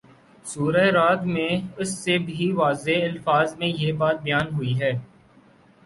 سورۂ رعد میں اس سے بھی واضح الفاظ میں یہ بات بیان ہوئی ہے